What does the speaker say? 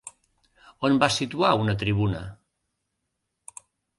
On va situar una tribuna?